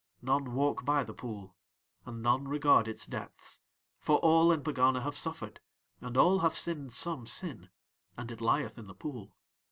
"'None walk by the pool and none regard its depths, for all in Pegana have suffered and all have sinned some sin, and it lieth in the pool.